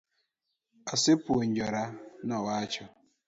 Asepuojora, nowacho.